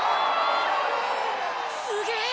すげえ！